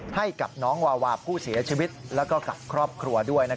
ให้กับน้องวาวาผู้เสียชีวิตแล้วก็กับครอบครัวด้วย